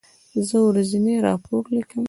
زه ورځنی راپور لیکم.